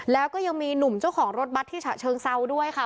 แล้วก็ยังมีหนุ่มเจ้าของรถบัตรที่ฉะเชิงเซาด้วยค่ะ